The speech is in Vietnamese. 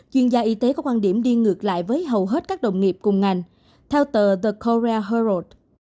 chuyên gia y tế có quan điểm đi ngược lại với hầu hết các đồng nghiệp cùng ngành theo tờ the conre hort